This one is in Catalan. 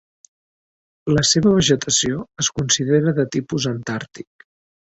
La seva vegetació es considera de tipus antàrtic.